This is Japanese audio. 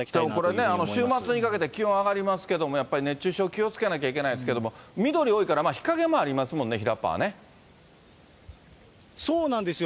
これね、週末にかけて、気温上がりますけども、熱中症、気をつけないといけないですけども、緑多いから、日陰もありますそうなんですよ。